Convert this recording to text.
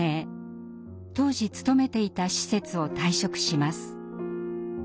当時勤めていた施設を退職します。